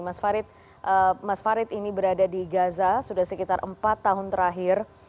mas farid mas farid ini berada di gaza sudah sekitar empat tahun terakhir